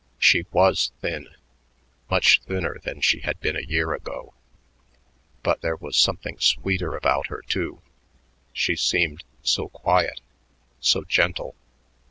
She was thin, much thinner than she had been a year ago, but there was something sweeter about her, too; she seemed so quiet, so gentle.